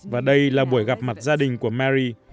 và đây là buổi gặp mặt gia đình của mari